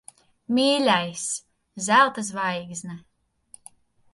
Mīļais! Zelta zvaigzne.